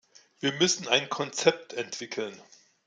Wir müssen ein Konzept entwickeln.